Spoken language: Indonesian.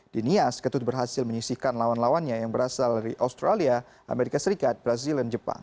di nias ketut berhasil menyisihkan lawan lawannya yang berasal dari australia amerika serikat brazil dan jepang